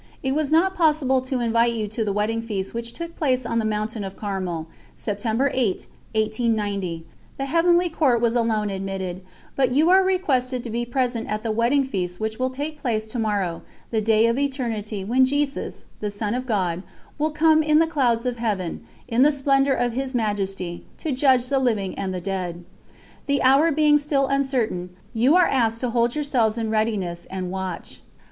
_ It was not possible to invite you to the Wedding Feast which took place on the Mountain of Carmel, September 8, 1890 the Heavenly Court was alone admitted but you are requested to be present at the Wedding Feast which will take place to morrow, the day of Eternity, when Jesus, the Son of God, will come in the clouds of Heaven, in the splendour of His Majesty, to judge the living and the dead. "The hour being still uncertain, you are asked to hold yourselves in readiness and watch."